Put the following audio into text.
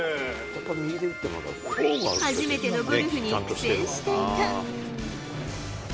初めてのゴルフに苦戦していた。